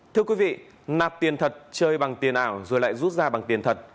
thưa quý vị nạp tiền thật chơi bằng tiền ảo rồi lại rút ra bằng tiền thật